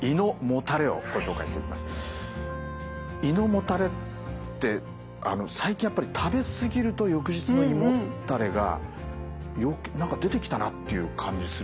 胃のもたれって最近やっぱり食べ過ぎると翌日の胃もたれが何か出てきたなっていう感じするんですよね。